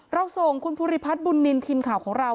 ส่งคุณภูริพัฒน์บุญนินทีมข่าวของเรา